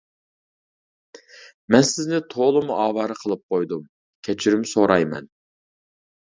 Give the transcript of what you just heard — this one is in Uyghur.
مەن سىزنى تولىمۇ ئاۋارە قىلىپ قويدۇم، كەچۈرۈم سورايمەن.